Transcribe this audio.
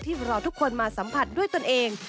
รอทุกคนมาสัมผัสด้วยตนเอง